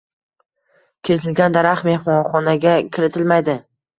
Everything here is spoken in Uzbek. kesilgan daraxt mehmonxonaga kiritilmaydi.